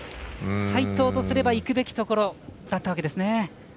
斉藤とすればいくべきところだったわけですね。